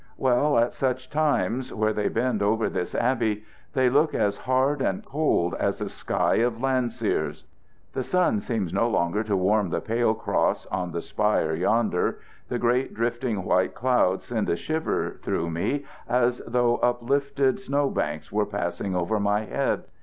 Well, at such times, where they bend over this abbey, they look as hard and cold as a sky of Landseer's. The sun seems no longer to warm the pale cross on the spire yonder, the great drifting white clouds send a shiver through me as though uplifted snow banks were passing over my head.